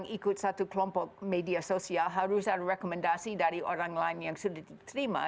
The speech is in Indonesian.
jadi kalau mereka ikut satu kelompok media sosial harus ada rekomendasi dari orang lain yang sudah diterima